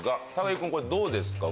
木君どうですか？